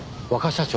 社長！